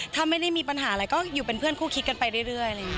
ถ้าไม่ได้มีปัญหาอะไรก็อยู่เป็นเพื่อนคู่คิดกันไปเรื่อยอะไรอย่างนี้